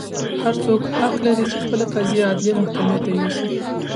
هر څوک حق لري چې خپله قضیه عدلي محکمې ته یوسي.